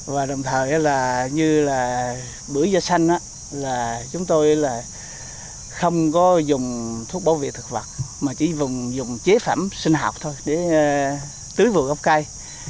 và đồng thời là như là bưởi da xanh là chúng tôi là không có dùng thuốc bảo vệ thực vật mà chỉ dùng chế phẩm sinh học thôi để tưới vườn gốc cây